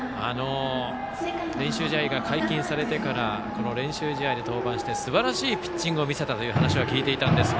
練習試合が解禁されてから練習試合で登板してすばらしいピッチングを見せたという話は聞いていたんですが。